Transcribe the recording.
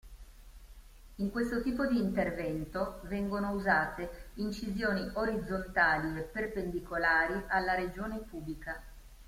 In questo tipo di intervento vengono usate incisioni orizzontali e perpendicolari alla regione pubica.